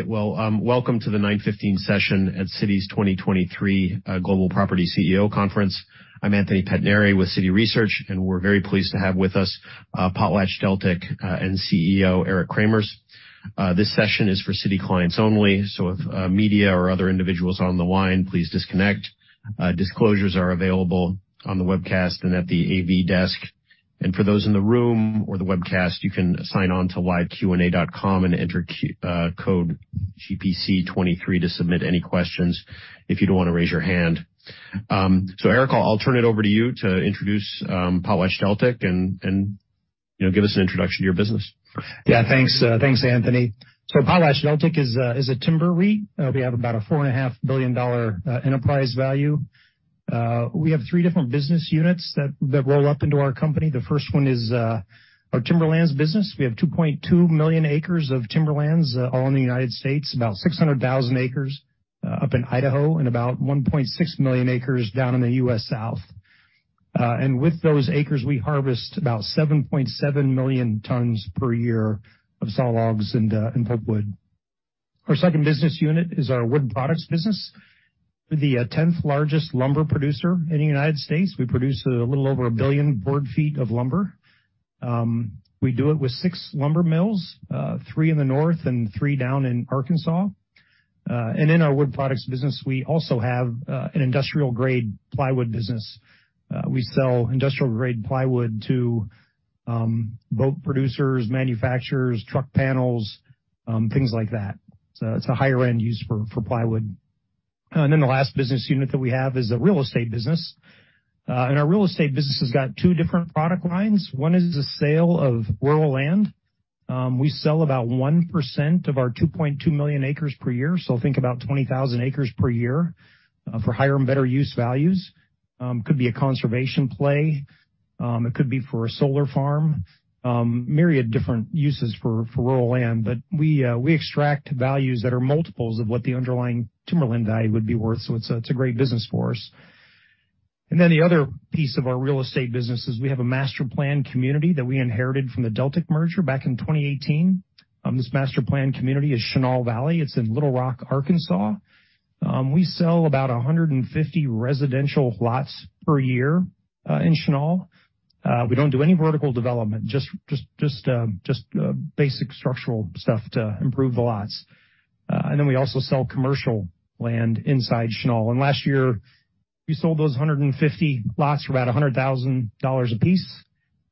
Welcome to the 9:15 session at Citi's 2023 Global Property CEO Conference. I'm Anthony Pettinari with Citi Research, and we're very pleased to have with us PotlatchDeltic, and CEO Eric Cremers. This session is for Citi clients only, so if media or other individuals are on the line, please disconnect. Disclosures are available on the webcast and at the AV desk. For those in the room or the webcast, you can sign on to liveqanda.com and enter code GPC23 to submit any questions if you don't wanna raise your hand. Eric, I'll turn it over to you to introduce PotlatchDeltic and, you know, give us an introduction to your business. Yeah, thanks, Anthony. PotlatchDeltic is a timber REIT. We have about a $4.5 billion enterprise value. We have three different business units that roll up into our company. The first one is our timberlands business. We have 2.2 million acres of timberlands all in the United States, about 600,000 acres up in Idaho, and about 1.6 million acres down in the U.S. South. With those acres, we harvest about 7.7 million tons per year of saw logs and pulpwood. Our second business unit is our wood products business. We're the tenth largest lumber producer in the United States. We produce a little over 1 billion board ft of lumber. We do it with six lumber mills, three in the north and three down in Arkansas. In our wood products business, we also have an industrial-grade plywood business. We sell industrial-grade plywood to boat producers, manufacturers, truck panels, things like that. It's a higher end use for plywood. The last business unit that we have is the real estate business. Our real estate business has got two different product lines. One is the sale of rural land. We sell about 1% of our 2.2 million acres per year, so think about 20,000 acres per year, for higher and better use values. Could be a conservation play, it could be for a solar farm, myriad different uses for rural land. We extract values that are multiples of what the underlying timberland value would be worth, so it's a great business for us. The other piece of our real estate business is we have a master-planned community that we inherited from the Deltic merger back in 2018. This master-planned community is Chenal Valley. It's in Little Rock, Arkansas. We sell about 150 residential lots per year in Chenal. We don't do any vertical development, just basic structural stuff to improve the lots. We also sell commercial land inside Chenal. Last year, we sold those 150 lots for about $100,000 apiece,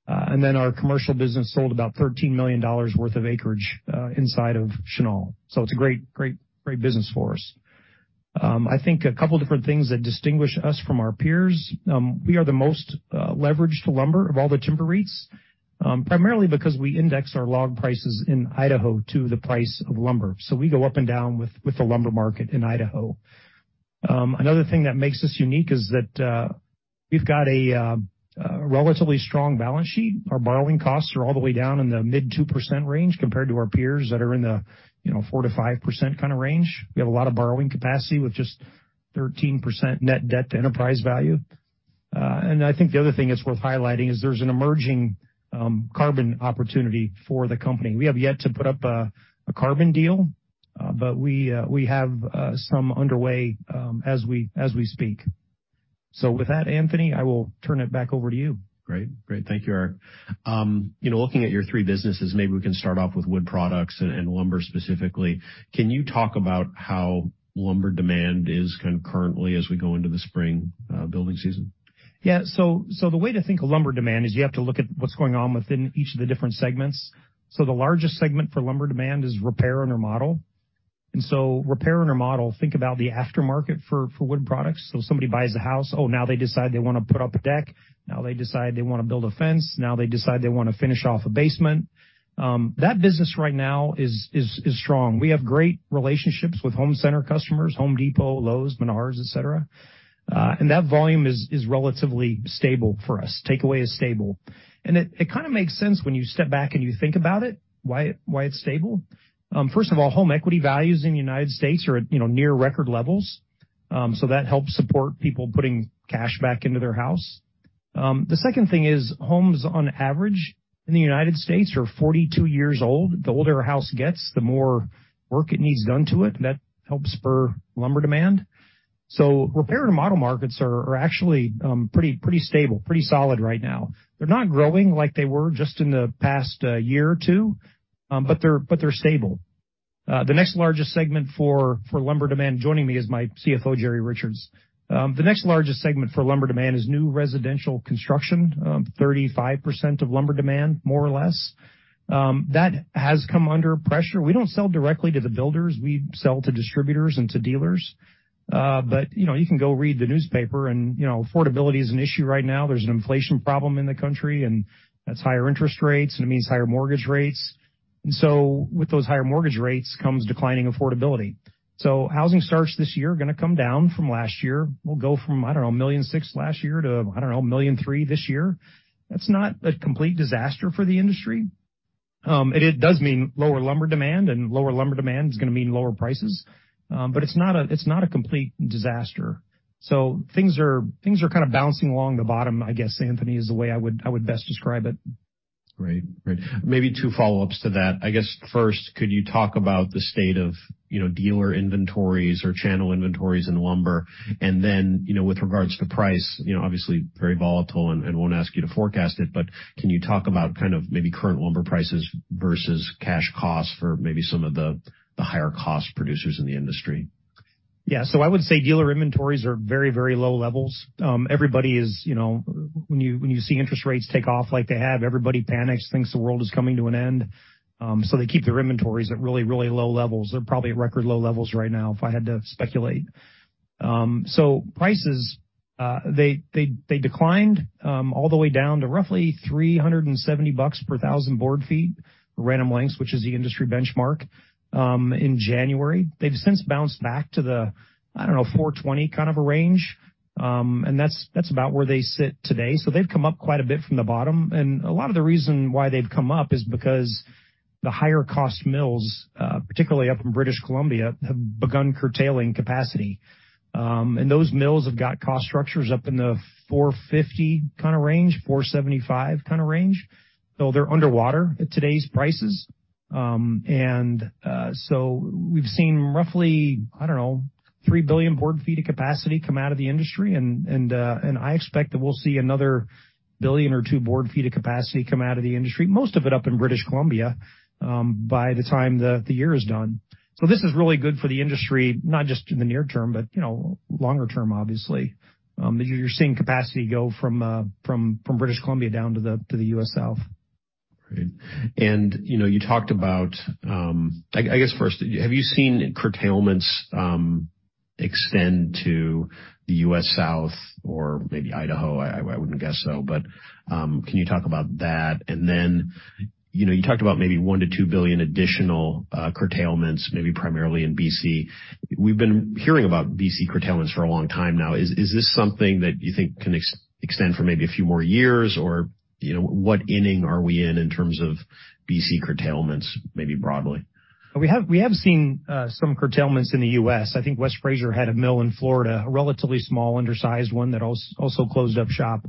and our commercial business sold about $13 million worth of acreage inside of Chenal. It's a great, great business for us. I think a couple different things that distinguish us from our peers. We are the most leveraged lumber of all the timber REITs, primarily because we index our log prices in Idaho to the price of lumber. We go up and down with the lumber market in Idaho. Another thing that makes us unique is that we've got a relatively strong balance sheet. Our borrowing costs are all the way down in the mid 2% range compared to our peers that are in the, you know, 4%-5% kinda range. We have a lot of borrowing capacity with just 13% net debt to enterprise value. I think the other thing that's worth highlighting is there's an emerging carbon opportunity for the company. We have yet to put up a carbon deal, but we have some underway, as we speak. With that, Anthony, I will turn it back over to you. Great. Great. Thank you, Eric. You know, looking at your three businesses, maybe we can start off with wood products and lumber specifically. Can you talk about how lumber demand is kind of currently as we go into the spring building season? The way to think of lumber demand is you have to look at what's going on within each of the different segments. The largest segment for lumber demand is repair and remodel. Repair and remodel, think about the aftermarket for wood products. Somebody buys a house, now they decide they wanna put up a deck. Now they decide they wanna build a fence. Now they decide they wanna finish off a basement. That business right now is strong. We have great relationships with home center customers, Home Depot, Lowe's, Menards, et cetera. That volume is relatively stable for us. Takeaway is stable. It kinda makes sense when you step back and you think about it, why it's stable. First of all, home equity values in the United States are at, you know, near record levels. That helps support people putting cash back into their house. The second thing is homes, on average in the United States, are 42 years old. The older a house gets, the more work it needs done to it. That helps spur lumber demand. Repair and remodel markets are actually pretty stable, pretty solid right now. They're not growing like they were just in the past year or two, but they're stable. The next largest segment for lumber demand. Joining me is my CFO, Jerry Richards. The next largest segment for lumber demand is new residential construction, 35% of lumber demand, more or less. That has come under pressure. We don't sell directly to the builders. We sell to distributors and to dealers. You know, you can go read the newspaper and, you know, affordability is an issue right now. There's an inflation problem in the country, and that's higher interest rates, and it means higher mortgage rates. With those higher mortgage rates comes declining affordability. Housing starts this year gonna come down from last year. We'll go from, I don't know, 1.6 million last year to, I don't know, 1.3 million this year. That's not a complete disaster for the industry. It does mean lower lumber demand, and lower lumber demand is gonna mean lower prices. It's not a, it's not a complete disaster. Things are, things are kinda bouncing along the bottom, I guess, Anthony, is the way I would best describe it. Great. Maybe two follow-ups to that. I guess first, could you talk about the state of, you know, dealer inventories or channel inventories in lumber? With regards to price, you know, obviously very volatile and won't ask you to forecast it, but can you talk about kind of maybe current lumber prices versus cash costs for maybe some of the higher cost producers in the industry? Yeah, I would say dealer inventories are very, very low levels. Everybody is, you know, when you see interest rates take off like they have, everybody panics, thinks the world is coming to an end, they keep their inventories at really, really low levels. They're probably at record low levels right now, if I had to speculate. Prices, they declined all the way down to roughly $370 per thousand board feet, Random Lengths, which is the industry benchmark, in January. They've since bounced back to the, I don't know, $420 kind of a range. That's about where they sit today. They've come up quite a bit from the bottom. A lot of the reason why they've come up is because the higher cost mills, particularly up in British Columbia, have begun curtailing capacity. Those mills have got cost structures up in the 450 kind of range, 475 kind of range. They're underwater at today's prices. We've seen roughly, I don't know, 3 billion board ft of capacity come out of the industry, and I expect that we'll see another 1 billion board ft or 2 billion board ft of capacity come out of the industry, most of it up in British Columbia, by the time the year is done. This is really good for the industry, not just in the near term, but, you know, longer term, obviously. You're seeing capacity go from British Columbia down to the U.S. South. Great. You know, you talked about, I guess first, have you seen curtailments extend to the U.S. South or maybe Idaho? I wouldn't guess so, but can you talk about that? Then, you know, you talked about maybe $1 billion-$2 billion additional curtailments, maybe primarily in BC. We've been hearing about BC curtailments for a long time now. Is this something that you think can extend for maybe a few more years? Or, you know, what inning are we in in terms of BC curtailments, maybe broadly? We have seen, some curtailments in the U.S. I think West Fraser had a mill in Florida, a relatively small undersized one that also closed up shop.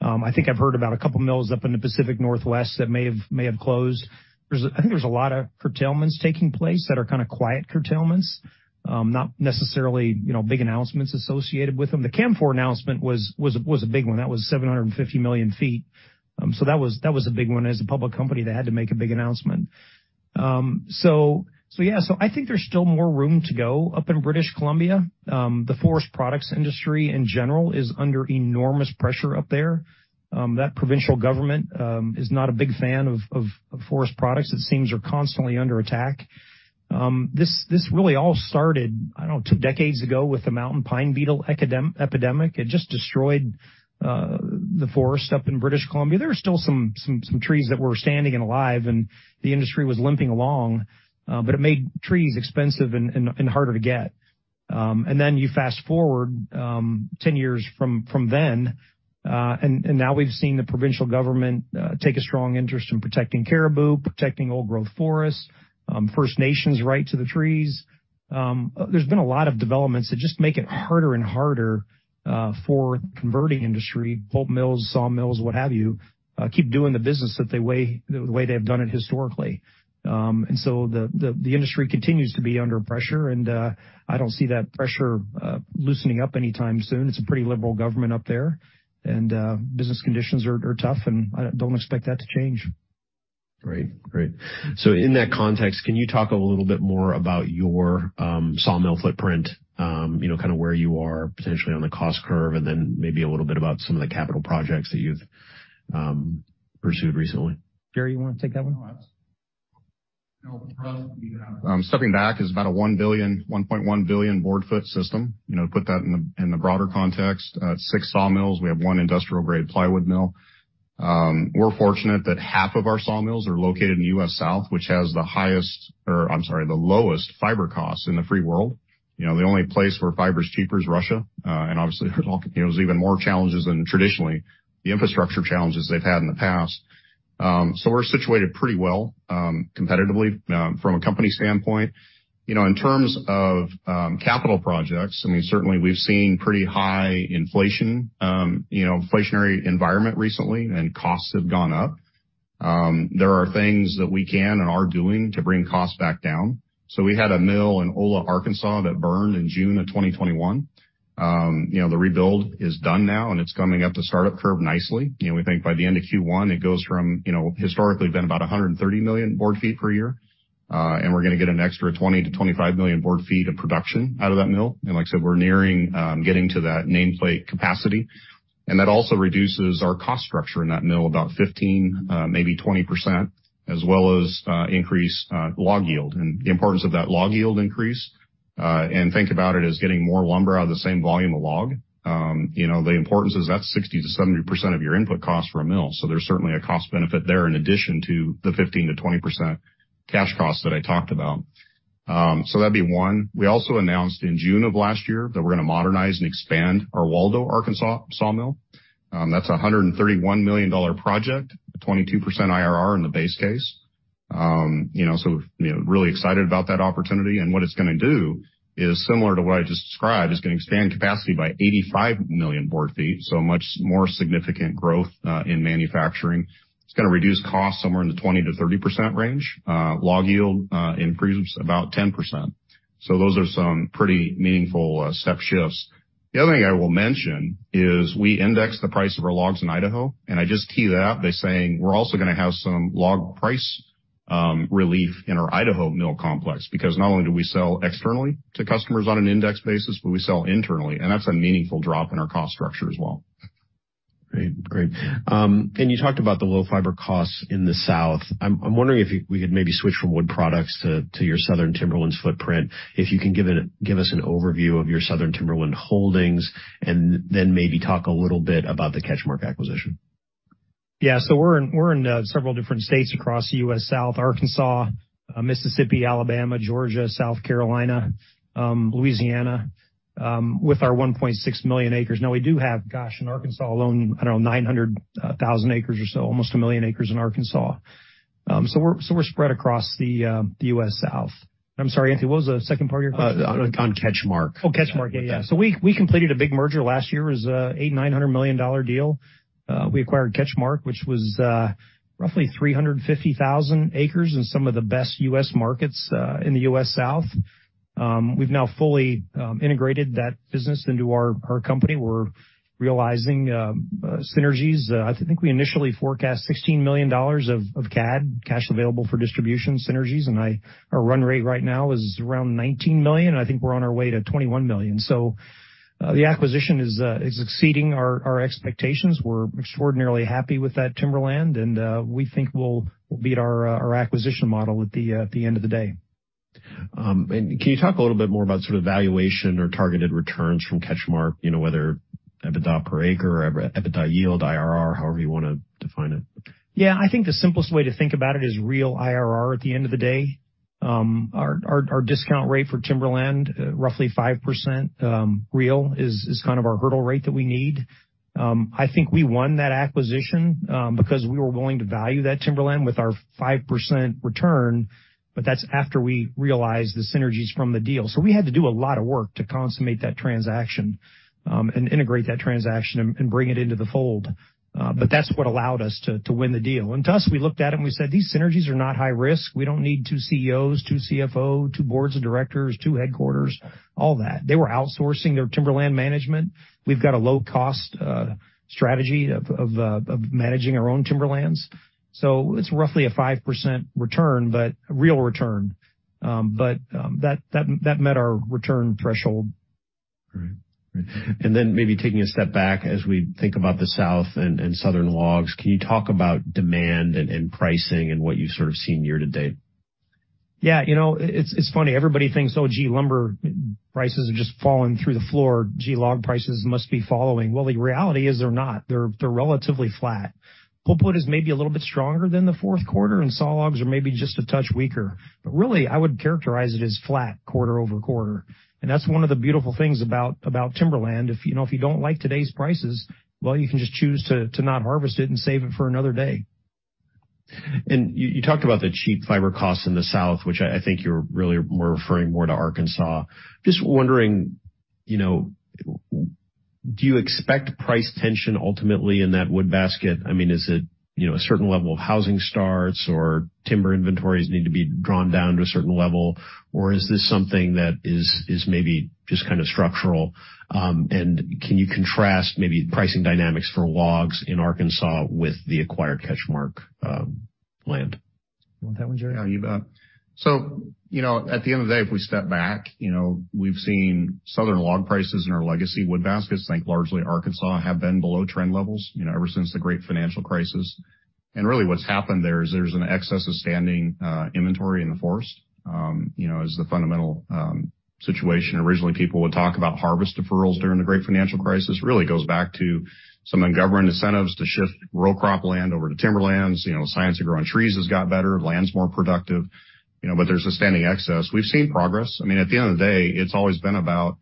I think I've heard about a couple of mills up in the Pacific Northwest that may have closed. I think there's a lot of curtailments taking place that are kinda quiet curtailments, not necessarily, you know, big announcements associated with them. The Canfor announcement was a big one. That was 750 million ft. So that was a big one. As a public company, they had to make a big announcement. So yeah. I think there's still more room to go up in British Columbia. The forest products industry in general is under enormous pressure up there. That provincial government is not a big fan of forest products. It seems they're constantly under attack. This really all started, I don't know, two decades ago with the mountain pine beetle epidemic. It just destroyed the forest up in British Columbia. There are still some trees that were standing and alive, and the industry was limping along, but it made trees expensive and harder to get. Then you fast-forward 10 years from then, now we've seen the provincial government take a strong interest in protecting caribou, protecting old-growth forests, First Nations' right to the trees. There's been a lot of developments that just make it harder and harder for converting industry, pulp mills, sawmills, what have you, keep doing the business the way they've done it historically. The, the industry continues to be under pressure, and I don't see that pressure loosening up anytime soon. It's a pretty liberal government up there, and business conditions are tough, and I don't expect that to change. Great. Great. In that context, can you talk a little bit more about your sawmill footprint, you know, kinda where you are potentially on the cost curve, and then maybe a little bit about some of the capital projects that you've pursued recently? Jerry, you wanna take that one? No, that's No, for us, stepping back is about a $1 billion-$1.1 billion board ft system. You know, put that in the, in the broader context. It's six sawmills. We have one industrial-grade plywood mill. We're fortunate that half of our sawmills are located in the U.S. South, which has the highest or, I'm sorry, the lowest fiber costs in the free world. You know, the only place where fiber is cheaper is Russia. Obviously, there's all, you know, there's even more challenges than traditionally the infrastructure challenges they've had in the past. We're situated pretty well, competitively, from a company standpoint. You know, in terms of capital projects, I mean, certainly we've seen pretty high inflation, you know, inflationary environment recently, and costs have gone up. There are things that we can and are doing to bring costs back down. We had a mill in Ola, Arkansas, that burned in June of 2021. You know, the rebuild is done now, and it's coming up the startup curve nicely. You know, we think by the end of Q1, it goes from, you know, historically been about 130 million board ft per year, and we're gonna get an extra 20 million board ft-25 million board ft of production out of that mill. Like I said, we're nearing, getting to that nameplate capacity. That also reduces our cost structure in that mill about 15, maybe 20%, as well as increase log yield. The importance of that log yield increase, and think about it as getting more lumber out of the same volume of log. You know, the importance is that's 60%-70% of your input cost for a mill. There's certainly a cost benefit there in addition to the 15%-20% cash cost that I talked about. That'd be one. We also announced in June of last year that we're gonna modernize and expand our Waldo, Arkansas sawmill. That's a $131 million project, a 22% IRR in the base case. You know, so, you know, really excited about that opportunity. What it's gonna do is similar to what I just described. It's gonna expand capacity by 85 million board ft, so much more significant growth, in manufacturing. It's gonna reduce costs somewhere in the 20%-30% range. Log yield improves about 10%. Those are some pretty meaningful step shifts. The other thing I will mention is we index the price of our logs in Idaho, and I just tee that by saying we're also gonna have some log price relief in our Idaho mill complex because not only do we sell externally to customers on an index basis, but we sell internally, and that's a meaningful drop in our cost structure as well. Great. Great. I'm wondering if we could maybe switch from wood products to your southern timberlands footprint, if you can give us an overview of your southern timberland holdings and then maybe talk a little bit about the CatchMark acquisition. Yeah. We're in several different states across the U.S. South: Arkansas, Mississippi, Alabama, Georgia, South Carolina, Louisiana, with our 1.6 million acres. Now, we do have, gosh, in Arkansas alone, I don't know, 900,000 acres or so, almost 1 million acres in Arkansas. We're spread across the U.S. South. I'm sorry, Anthony, what was the second part of your question? On CatchMark. CatchMark. Yeah, yeah. We completed a big merger last year. It was a $800 million, $900 million deal. We acquired CatchMark, which was roughly 350,000 acres in some of the best U.S. markets in the U.S. South. We've now fully integrated that business into our company. We're realizing synergies. I think we initially forecast $16 million of CAD, cash available for distribution synergies, our run rate right now is around $19 million, and I think we're on our way to $21 million. The acquisition is exceeding our expectations. We're extraordinarily happy with that timberland, we think we'll beat our acquisition model at the end of the day. Can you talk a little bit more about sort of valuation or targeted returns from CatchMark? You know, whether EBITDA per acre or EBITDA yield, IRR, however you wanna define it. I think the simplest way to think about it is real IRR at the end of the day. Our discount rate for timberland, roughly 5%, real, is kind of our hurdle rate that we need. I think we won that acquisition because we were willing to value that timberland with our 5% return, but that's after we realized the synergies from the deal. We had to do a lot of work to consummate that transaction and integrate that transaction and bring it into the fold, but that's what allowed us to win the deal. To us, we looked at it and we said, "These synergies are not high risk. We don't need two CEOs, two CFO, two boards of directors, two headquarters, all that." They were outsourcing their timberland management. We've got a low-cost strategy of managing our own timberlands. It's roughly a 5% return, but real return. That met our return threshold. Great. Then maybe taking a step back as we think about the South and southern logs, can you talk about demand and pricing and what you've sort of seen year-to-date? You know, it's funny. Everybody thinks, "Oh, gee, lumber prices are just falling through the floor. Gee, log prices must be following." The reality is they're not. They're relatively flat. Pulpwood is maybe a little bit stronger than the fourth quarter. Sawlogs are maybe just a touch weaker. Really, I would characterize it as flat quarter-over-quarter. That's one of the beautiful things about timberland. If, you know, if you don't like today's prices, you can just choose to not harvest it and save it for another day. You talked about the cheap fiber costs in the South, which I think you're really were referring more to Arkansas. Just wondering, you know, do you expect price tension ultimately in that wood basket? I mean, is it, you know, a certain level of housing starts or timber inventories need to be drawn down to a certain level, or is this something that is maybe just kind of structural? Can you contrast maybe pricing dynamics for logs in Arkansas with the acquired CatchMark land? You want that one, Jerry? Yeah, you bet. You know, at the end of the day, if we step back, you know, we've seen southern log prices in our legacy wood baskets, think largely Arkansas, have been below trend levels, you know, ever since the great financial crisis. Really what's happened there is there's an excess of standing inventory in the forest, you know, as the fundamental situation. Originally, people would talk about harvest deferrals during the great financial crisis. Really goes back to some ungoverned incentives to shift row crop land over to timberlands. You know, science of growing trees has got better, land's more productive, you know, but there's a standing excess. We've seen progress. I mean, at the end of the day, it's always been about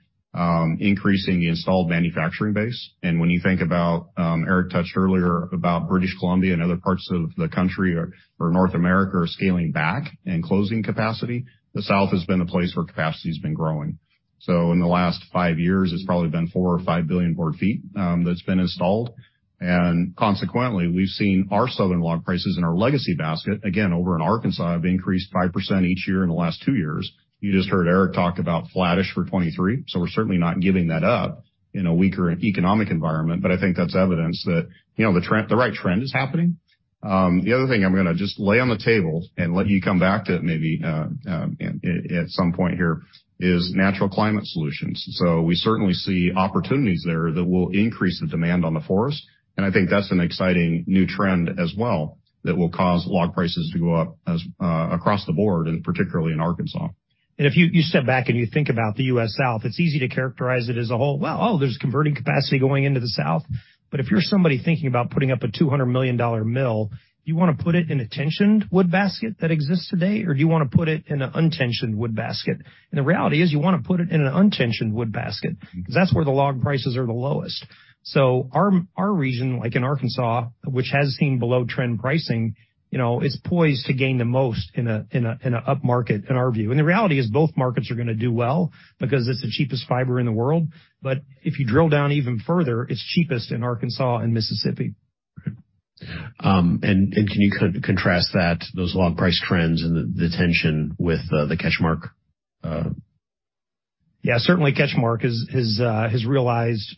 increasing the installed manufacturing base. When you think about, Eric touched earlier about British Columbia and other parts of the country or North America are scaling back and closing capacity, the South has been the place where capacity's been growing. In the last five years, it's probably been 4 billion board ft or 5 billion board ft that's been installed. Consequently, we've seen our southern log prices in our legacy basket, again, over in Arkansas, have increased 5% each year in the last two years. You just heard Eric talk about flattish for 2023, we're certainly not giving that up in a weaker economic environment. I think that's evidence that, you know, the right trend is happening. The other thing I'm gonna just lay on the table and let you come back to it maybe at some point here is natural climate solutions. We certainly see opportunities there that will increase the demand on the forest, and I think that's an exciting new trend as well that will cause log prices to go up as across the board and particularly in Arkansas. If you step back and you think about the U.S. South, it's easy to characterize it as a whole, "Well, there's converting capacity going into the South." But if you're somebody thinking about putting up a $200 million mill, do you wanna put it in a tensioned wood basket that exists today, or do you wanna put it in an untensioned wood basket? The reality is, you wanna put it in an untensioned wood basket, 'cause that's where the log prices are the lowest. Our region, like in Arkansas, which has seen below-trend pricing, you know, is poised to gain the most in an upmarket, in our view. The reality is both markets are gonna do well because it's the cheapest fiber in the world. If you drill down even further, it's cheapest in Arkansas and Mississippi. Can you contrast that, those log price trends and the tension with the CatchMark? Yeah. Certainly CatchMark has realized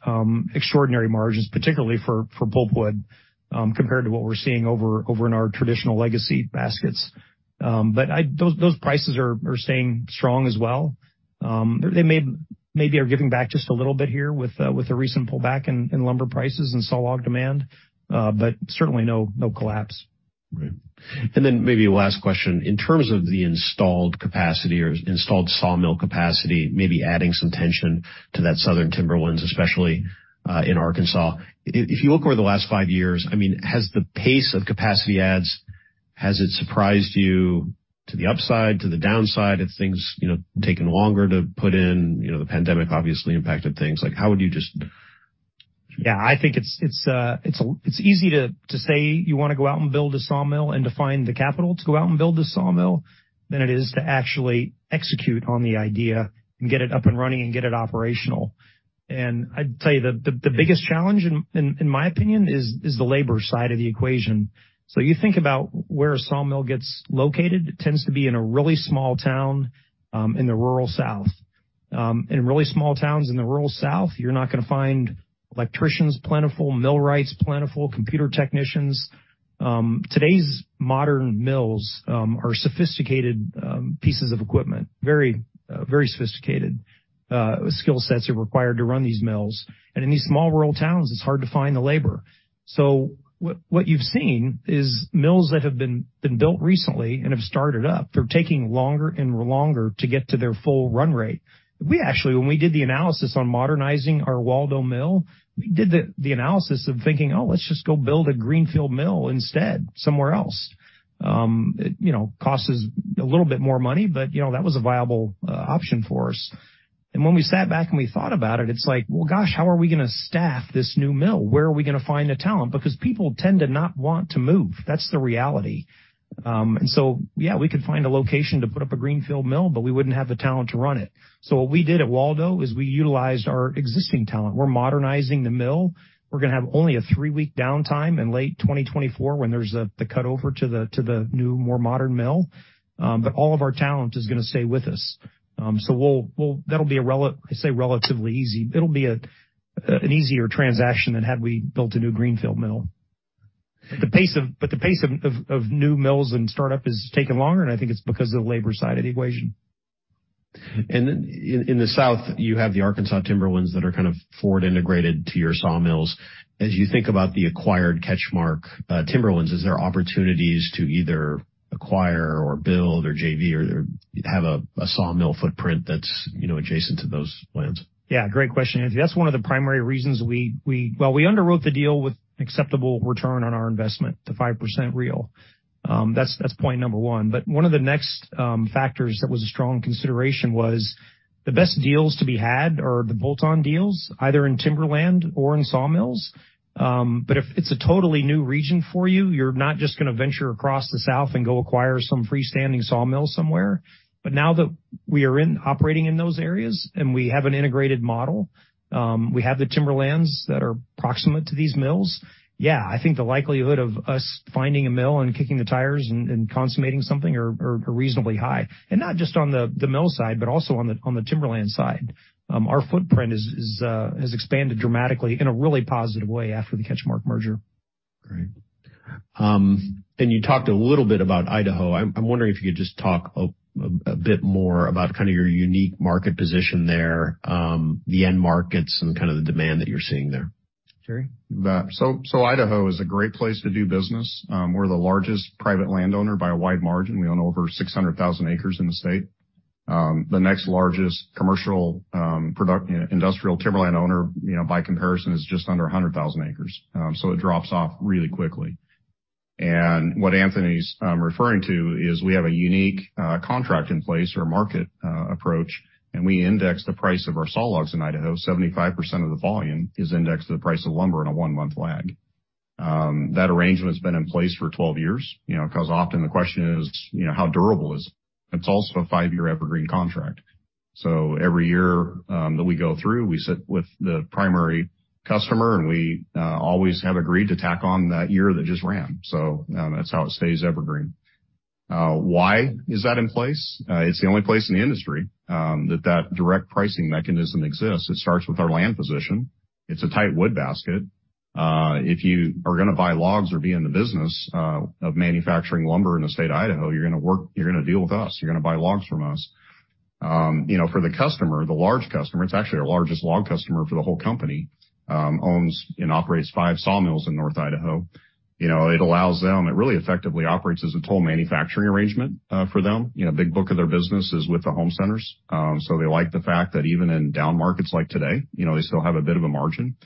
extraordinary margins, particularly for pulpwood, compared to what we're seeing over in our traditional legacy baskets. Those prices are staying strong as well. They maybe are giving back just a little bit here with the recent pullback in lumber prices and saw log demand, but certainly no collapse. Right. Maybe last question. In terms of the installed capacity or installed sawmill capacity, maybe adding some tension to that southern timberlands, especially in Arkansas. If you look over the last five years, I mean, has the pace of capacity adds, has it surprised you to the upside, to the downside if things, you know, taken longer to put in, you know, the pandemic obviously impacted things? Like, how would you just... Yeah, I think it's easy to say you wanna go out and build a sawmill and to find the capital to go out and build a sawmill than it is to actually execute on the idea and get it up and running and get it operational. I'd tell you the biggest challenge in my opinion is the labor side of the equation. You think about where a sawmill gets located. It tends to be in a really small town in the rural South. In really small towns in the rural South, you're not gonna find electricians plentiful, millwrights plentiful, computer technicians. Today's modern mills are sophisticated pieces of equipment, very sophisticated skill sets are required to run these mills. In these small rural towns, it's hard to find the labor. What you've seen is mills that have been built recently and have started up, they're taking longer and longer to get to their full run rate. We actually when we did the analysis on modernizing our Waldo mill, we did the analysis of thinking, oh, let's just go build a greenfield mill instead somewhere else. It, you know, costs us a little bit more money, but, you know, that was a viable option for us. When we sat back and we thought about it's like, well, gosh, how are we gonna staff this new mill? Where are we gonna find the talent? Because people tend to not want to move. That's the reality. Yeah, we could find a location to put up a greenfield mill, but we wouldn't have the talent to run it. What we did at Waldo is we utilized our existing talent. We're modernizing the mill. We're gonna have only a three-week downtime in late 2024 when there's the cut over to the new, more modern mill. All of our talent is gonna stay with us. We'll that'll be I say relatively easy. It'll be an easier transaction than had we built a new greenfield mill. The pace of new mills and startup has taken longer, and I think it's because of the labor side of the equation. In the South, you have the Arkansas timberlands that are kind of forward integrated to your sawmills. As you think about the acquired CatchMark timberlands, is there opportunities to either acquire or build or JV or have a sawmill footprint that's, you know, adjacent to those lands? Yeah, great question. That's one of the primary reasons we— Well, we underwrote the deal with acceptable return on our investment, the 5% real. That's point number one. One of the next factors that was a strong consideration was the best deals to be had are the bolt-on deals, either in timberland or in sawmills. If it's a totally new region for you're not just gonna venture across the South and go acquire some freestanding sawmill somewhere. Now that we are operating in those areas and we have an integrated model, we have the timberlands that are proximate to these mills. Yeah, I think the likelihood of us finding a mill and kicking the tires and consummating something are reasonably high. Not just on the mill side, but also on the timberland side. Our footprint has expanded dramatically in a really positive way after the CatchMark merger. Great. You talked a little bit about Idaho. I'm wondering if you could just talk a bit more about kinda your unique market position there, the end markets and kinda the demand that you're seeing there. Jerry? Idaho is a great place to do business. We're the largest private landowner by a wide margin. We own over 600,000 acres in the state. The next largest commercial product, you know, industrial timberland owner, you know, by comparison, is just under 100,000 acres. It drops off really quickly. What Anthony's referring is we have a unique contract in place or market approach, and we index the price of our saw logs in Idaho. 75% of the volume is indexed to the price of lumber in a one-month lag. That arrangement's been in place for 12 years. You know, 'cause often the question is, you know, how durable is it? It's also a five-year evergreen contract. Every year that we go through, we sit with the primary customer, and we always have agreed to tack on that year that just ran. That's how it stays evergreen. Why is that in place? It's the only place in the industry that that direct pricing mechanism exists. It starts with our land position. It's a tight wood basket. If you are gonna buy logs or be in the business of manufacturing lumber in the state of Idaho, you're gonna deal with us, you're gonna buy logs from us. You know, for the customer, the large customer, it's actually our largest log customer for the whole company, owns and operates five sawmills in North Idaho. You know, it really effectively operates as a toll manufacturing arrangement for them. You know, a big book of their business is with the home centers. They like the fact that even in down markets like today, you know, they still have a bit of a margin.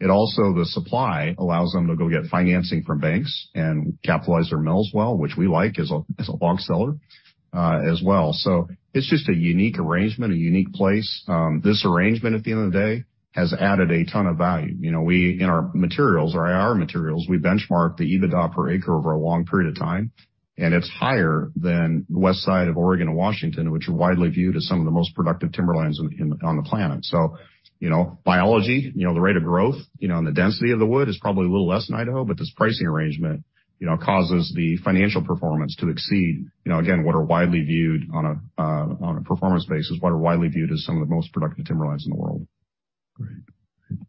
It also, the supply allows them to go get financing from banks and capitalize their mills well, which we like as a, as a log seller, as well. It's just a unique arrangement, a unique place. This arrangement at the end of the day has added a ton of value. You know, we, in our materials, our IR materials, we benchmark the EBITDA per acre over a long period of time, and it's higher than west side of Oregon and Washington, which are widely viewed as some of the most productive timberlands in, on the planet. You know, biology, you know, the rate of growth, you know, and the density of the wood is probably a little less than Idaho, but this pricing arrangement, you know, causes the financial performance to exceed, you know, again, what are widely viewed on a, on a performance basis, what are widely viewed as some of the most productive timberlines in the world. Great.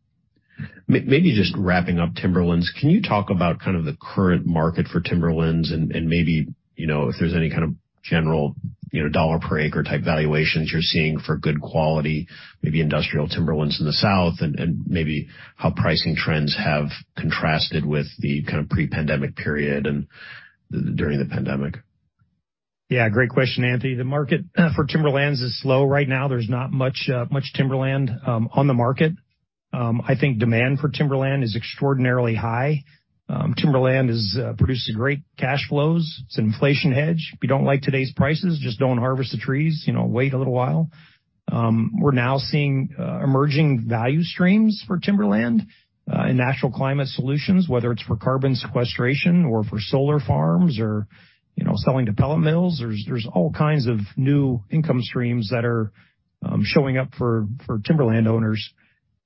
Maybe just wrapping up timberlands. Can you talk about kind of the current market for timberlands and maybe, you know, if there's any kind of general, you know, dollar-per-acre-type valuations you're seeing for good quality, maybe industrial timberlands in the south and maybe how pricing trends have contrasted with the kind of pre-pandemic period and during the pandemic? Yeah, great question, Anthony. The market for timberlands is slow right now. There's not much timberland on the market. I think demand for timberland is extraordinarily high. Timberland is producing great cash flows. It's an inflation hedge. If you don't like today's prices, just don't harvest the trees. You know, wait a little while. We're now seeing emerging value streams for timberland in natural climate solutions, whether it's for carbon sequestration or for solar farms or, you know, selling to pellet mills. There's all kinds of new income streams that are showing up for timberland owners.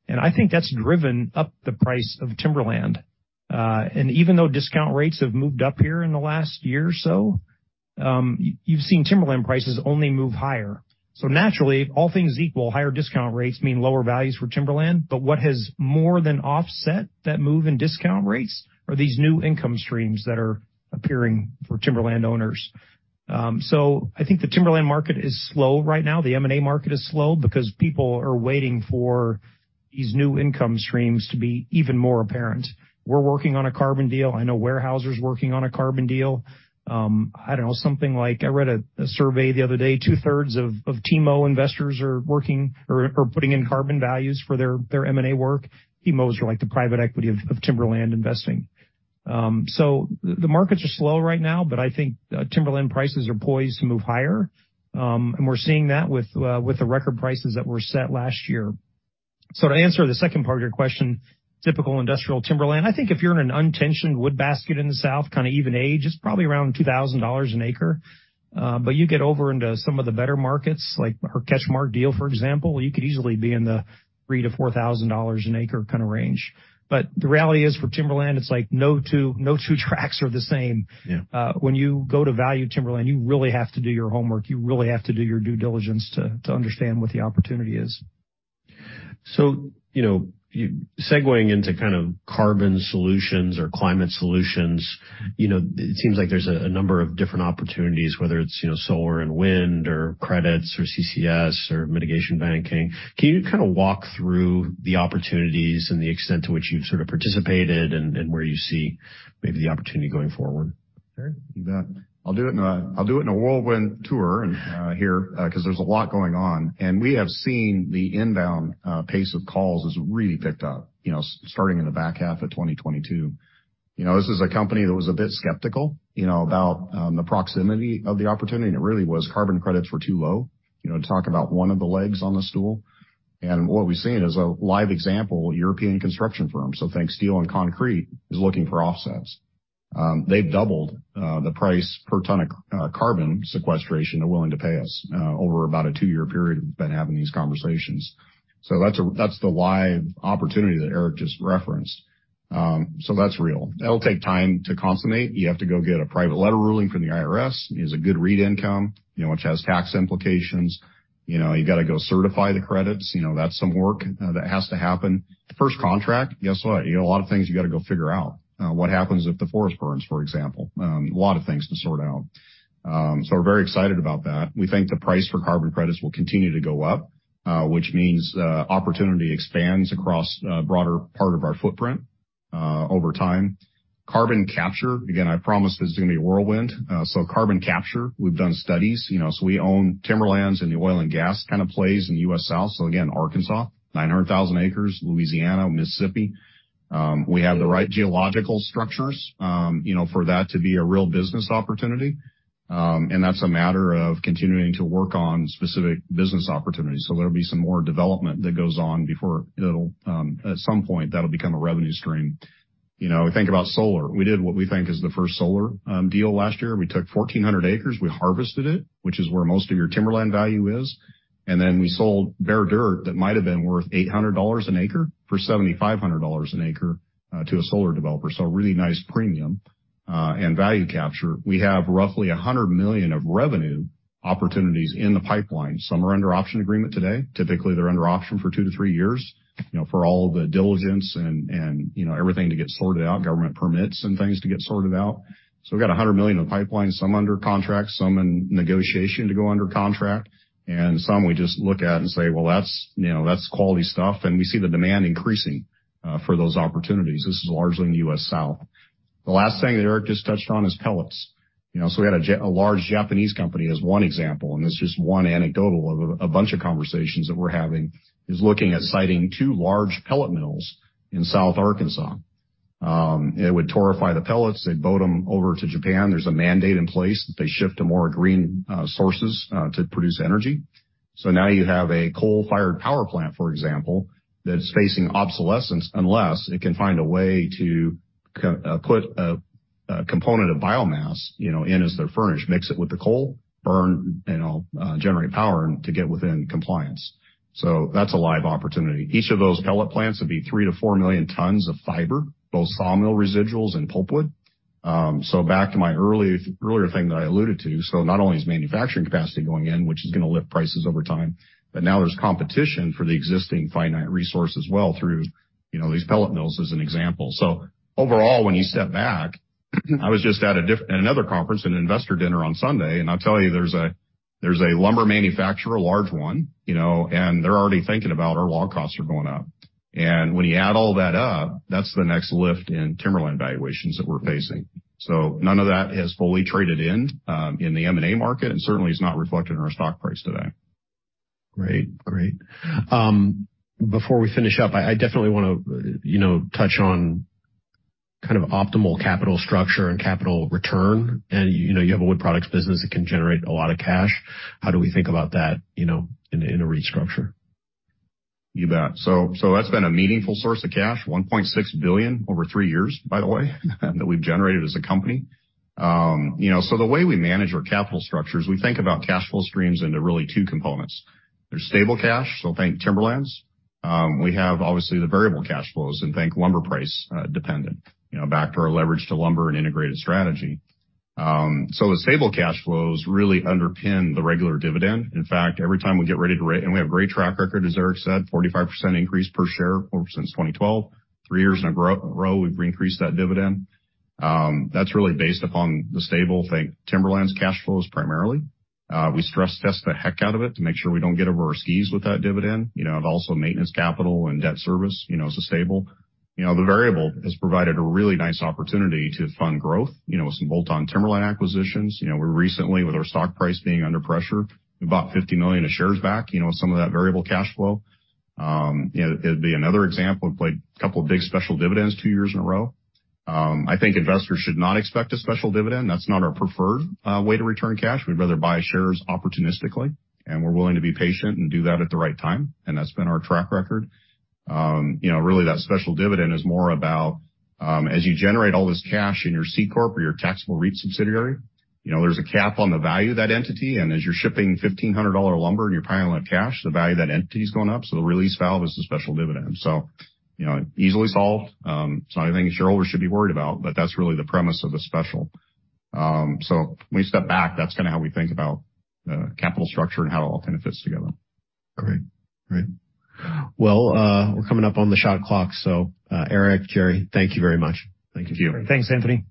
I think that's driven up the price of timberland. Even though discount rates have moved up here in the last year or so, you've seen timberland prices only move higher. Naturally, all things equal, higher discount rates mean lower values for timberland. What has more than offset that move in discount rates are these new income streams that are appearing for timberland owners. I think the timberland market is slow right now. The M&A market is slow because people are waiting for these new income streams to be even more apparent. We're working on a carbon deal. I know Weyerhaeuser is working on a carbon deal. I don't know, something like I read a survey the other day, 2/3 of TIMO investors are working or are putting in carbon values for their M&A work. TIMOs are like the private equity of timberland investing. The markets are slow right now, but I think timberland prices are poised to move higher. And we're seeing that with the record prices that were set last year. To answer the second part of your question, typical industrial timberland, I think if you're in an untensioned wood basket in the south, kinda even age, it's probably around $2,000 an acre. You get over into some of the better markets like our CatchMark deal, for example, you could easily be in the $3,000-$4,000 an acre kinda range. The reality is, for timberland, it's like no two tracks are the same. When you go to value timberland, you really have to do your homework. You really have to do your due diligence to understand what the opportunity is. You know, segueing into kind of carbon solutions or climate solutions, you know, it seems like there's a number of different opportunities, whether it's, you know, solar and wind or credits or CCS or mitigation banking. Can you kinda walk through the opportunities and the extent to which you've sort of participated and where you see maybe the opportunity going forward? Jerry? You bet. I'll do it in a, I'll do it in a whirlwind tour here, 'cause there's a lot going on. We have seen the inbound pace of calls has really picked up, you know, starting in the back half of 2022. You know, this is a company that was a bit skeptical, you know, about the proximity of the opportunity, and it really was carbon credits were too low, you know, to talk about one of the legs on the stool. What we've seen is a live example, European construction firms, so think steel and concrete, is looking for offsets. They've doubled the price per ton of carbon sequestration they're willing to pay us. Over about a two-year period, we've been having these conversations. That's the live opportunity that Eric just referenced. That's real. That'll take time to consummate. You have to go get a private letter ruling from the IRS, is a good REIT income, you know, which has tax implications. You know, you gotta go certify the credits. You know, that's some work that has to happen. The first contract, guess what? You know, a lot of things you gotta go figure out. What happens if the forest burns, for example? A lot of things to sort out. We're very excited about that. We think the price for carbon credits will continue to go up, which means opportunity expands across a broader part of our footprint over time. Carbon capture, again, I promise this is gonna be a whirlwind. Carbon capture, we've done studies, you know. We own timberlands and the oil and gas kinda plays in the U.S. South. Again, Arkansas, 900,000 acres, Louisiana, Mississippi. We have the right geological structures, you know, for that to be a real business opportunity. That's a matter of continuing to work on specific business opportunities. There'll be some more development that goes on before it'll, at some point, that'll become a revenue stream. You know, we think about solar. We did what we think is the first solar deal last year. We took 1,400 acres, we harvested it, which is where most of your timberland value is, and then we sold bare dirt that might have been worth $800 an acre for $7,500 an acre to a solar developer. A really nice premium and value capture. We have roughly $100 million of revenue opportunities in the pipeline. Some are under option agreement today. Typically, they're under option for two-three years, you know, for all the diligence and, you know, everything to get sorted out, government permits and things to get sorted out. We've got $100 million in the pipeline, some under contract, some in negotiation to go under contract, and some we just look at and say, "Well, that's, you know, that's quality stuff," and we see the demand increasing for those opportunities. This is largely in the U.S. South. The last thing that Eric just touched on is pellets. You know, we had a large Japanese company as one example, and it's just one anecdotal of a bunch of conversations that we're having, is looking at siting two large pellet mills in South Arkansas. It would torrefy the pellets. They boat them over to Japan. There's a mandate in place that they shift to more green sources to produce energy. Now you have a coal-fired power plant, for example, that's facing obsolescence unless it can find a way to put a component of biomass, you know, in as their furnish, mix it with the coal, burn and generate power and to get within compliance. That's a live opportunity. Each of those pellet plants would be 3 million tons-4 million tons of fiber, both sawmill residuals and pulpwood. Back to my earlier thing that I alluded to. Not only is manufacturing capacity going in, which is gonna lift prices over time, but now there's competition for the existing finite resource as well through, you know, these pellet mills as an example. Overall, when you step back, I was just at another conference, an investor dinner on Sunday. I'll tell you there's a lumber manufacturer, a large one, you know, and they're already thinking about our log costs are going up. When you add all that up, that's the next lift in timberland valuations that we're facing. None of that has fully traded in the M&A market, and certainly is not reflected in our stock price today. Great. before we finish up, I definitely wanna, you know, touch on kind of optimal capital structure and capital return. You know, you have a wood products business that can generate a lot of cash. How do we think about that, you know, in a, in a restructure? You bet. That's been a meaningful source of cash, $1.6 billion over three years, by the way, that we've generated as a company. You know, the way we manage our capital structure is we think about cash flow streams into really two components. There's stable cash, so think timberlands. We have obviously the variable cash flows and think lumber price dependent, you know, back to our leverage to lumber and integrated strategy. The stable cash flows really underpin the regular dividend. In fact, every time we get ready to and we have a great track record, as Eric said, 45% increase per share since 2012. Three years in a row we've increased that dividend. That's really based upon the stable, think timberlands cash flows primarily. We stress test the heck out of it to make sure we don't get over our skis with that dividend. You know, and also maintenance capital and debt service, you know, is stable. You know, the variable has provided a really nice opportunity to fund growth, you know, with some bolt-on timberland acquisitions. You know, we recently, with our stock price being under pressure, we bought $50 million of shares back, you know, with some of that variable cash flow. You know, it'd be another example of like a couple of big special dividends two years in a row. I think investors should not expect a special dividend. That's not our preferred way to return cash. We'd rather buy shares opportunistically, and we're willing to be patient and do that at the right time, and that's been our track record. You know, really, that special dividend is more about, as you generate all this cash in your C Corp or your taxable REIT subsidiary, you know, there's a cap on the value of that entity. As you're shipping $1,500 lumber and you're piling up cash, the value of that entity is going up. The release valve is the special dividend. you know, easily solved. It's not anything shareholders should be worried about, but that's really the premise of the special. When you step back, that's kinda how we think about capital structure and how it all kind of fits together. Great. Great. Well, we're coming up on the shot clock, so, Eric, Jerry, thank you very much. Thank you. Thanks, Anthony.